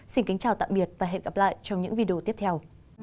xin kính chào tạm biệt và hẹn gặp lại trong những video tiếp theo